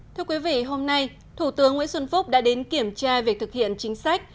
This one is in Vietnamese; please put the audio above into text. thưa quý vị hôm nay thủ tướng nguyễn xuân phúc đã đến kiểm tra việc thực hiện chính sách